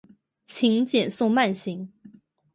请减速慢行